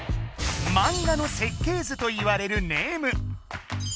マンガの設計図といわれるネーム。